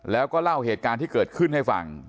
แล้วก็เล่าเหตุการณ์ที่เกิดขึ้นให้ฟัง